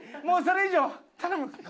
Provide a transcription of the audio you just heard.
もうそれ以上頼む！